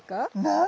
何？